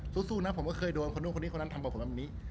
สู้นะผมก็เคยโดนคนนู้นคนนี้คนนั้นทำกับผมแบบนี้